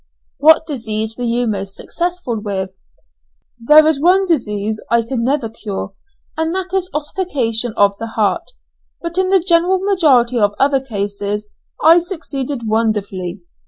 "What diseases were you most successful with?" "There is one disease I could never cure, and that's ossification of the heart, but in the great majority of other diseases I succeeded wonderfully.